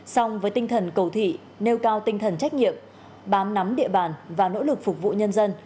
song với tinh thần cầu thị nêu cao tinh thần trách nhiệm bám nắm địa bàn và nỗ lực phục vụ nhân dân